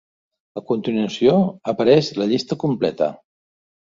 A continuació apareix la llista completa.